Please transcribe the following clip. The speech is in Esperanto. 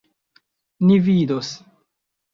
Ni vidos.